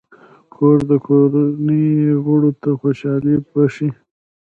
کور د کورنۍ غړو ته خوشحالي بښي.